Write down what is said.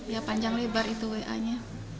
ya panjang lebar itu wa nya